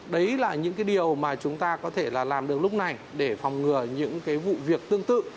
đấy là những cái điều mà chúng ta có thể là làm được lúc này để phòng ngừa những cái vụ việc tương tự